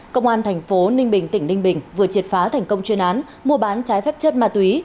công an thành phố ninh bình tỉnh ninh bình vừa triệt phá thành công chuyên án mua bán trái phép chất ma túy